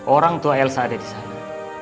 orang tua elsa ada disana